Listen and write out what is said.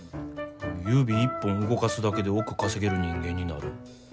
指一本動かすだけで億稼げる人間になる。